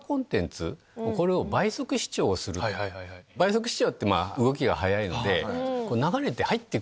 倍速視聴って動きが速いので。